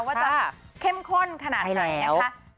ว่าจะเข้มข้นขนาดไหนนะคะ